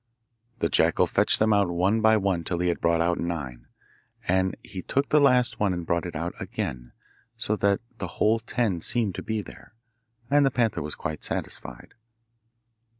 The jackal fetched them out one by one till he had brought out nine, and he took the last one and brought it out again, so the whole ten seemed to be there, and the panther was quite satisfied.